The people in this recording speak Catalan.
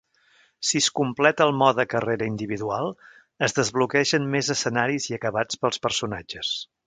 Si es completa el mode carrera individual, es desbloquegen més escenaris i acabats pels personatges.